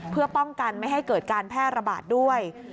เพื่อป้องกันไม่ให้เกิดการแพร่ระบาดด้วย